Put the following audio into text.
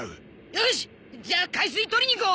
よしじゃあ海水取りに行こう！